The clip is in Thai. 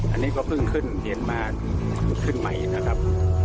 อันนี้ก็เพิ่งขึ้นเย็นมาขึ้นใหม่นะครับ